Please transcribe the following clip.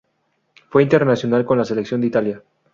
Fue internacional con la selección de Italia.